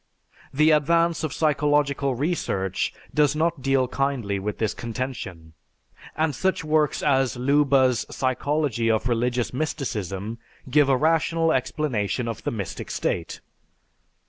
The advance of psychological research does not deal kindly with this contention, and such works as Leuba's "Psychology of Religious Mysticism" give a rational explanation of the mystic state.